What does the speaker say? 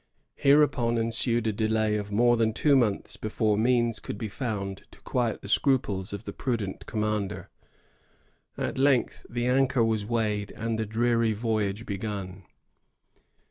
Hereupon ensued a delay of more than two months before 1659.] DELAY AND DIFFICULTY. 108 meanfl could be found to quiet the scruples of the prudent commander. At length the anchor was weighed, and the dreaiy voyage begun.